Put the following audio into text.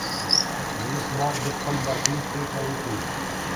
ولس باید د خپل برخلیک پرېکړه وکړي.